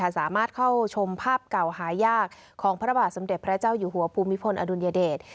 สามารถเข้าชมภาพเก่าหายากของพระบาทสมเด็จพระเจ้าอยู่หัวภูมิพลอดุลยเดช